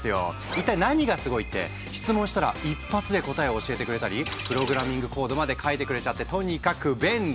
一体何がスゴいって質問したら一発で答えを教えてくれたりプログラミングコードまで書いてくれちゃってとにかく便利。